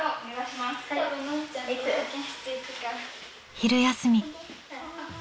昼休み。